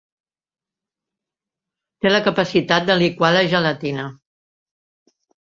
Té la capacitat de liquar la gelatina.